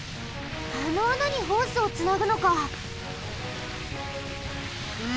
あのあなにホースをつなぐのか！